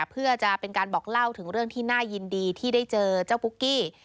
เพื่อจะเป็นการบอกเล่าถึงเรื่องที่น่ายินดีที่ได้เจอเจ้าปุ๊กกี้